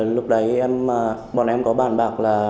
lúc đấy bọn em có bản bạc là